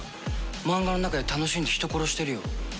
漫画の中で楽しんで人殺してるよ。